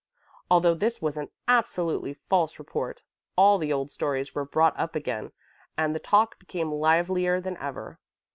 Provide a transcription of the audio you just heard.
Although this was an absolutely false report, all the old stories were brought up again and the talk became livelier than ever.